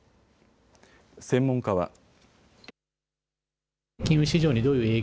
専門家は。